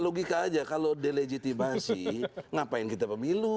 logika aja kalau delegitimasi ngapain kita pemilu